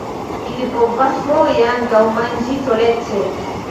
Ili povas foje ankaŭ manĝi solece.